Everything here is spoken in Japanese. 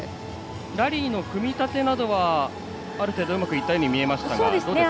ラリーの組み立てなどはある程度うまくいったように見えましたが、どうですか。